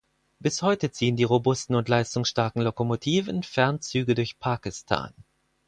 Bis heute ziehen die robusten und leistungsstarken Lokomotiven Fernzüge durch Pakistan.